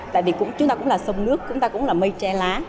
tại vì chúng ta cũng là sông nước chúng ta cũng là mây tre lá